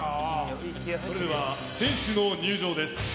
それでは選手の入場です。